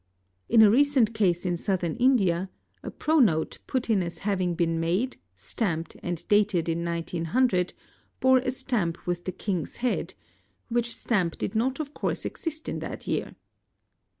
In a recent case in Southern India a pro note put in as having been made, stamped, and dated in 1900, bore a stamp with the King's head, which stamp did not of course ~ exist in that year.